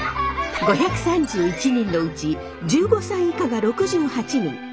５３１人のうち１５歳以下が６８人。